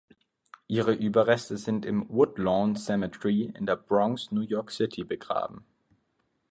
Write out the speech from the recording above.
Ihre Überreste sind im Woodlawn Cemetery in der Bronx, New York City, begraben.